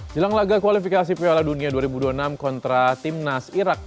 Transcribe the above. jelang laga kualifikasi piala dunia dua ribu dua puluh enam kontra timnas irak